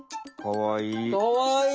かわいい！